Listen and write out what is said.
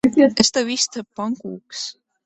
Es tev izcepu pankūkas.